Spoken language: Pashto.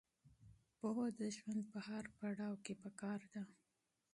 پوهه د ژوند په هر پړاو کې پکار ده.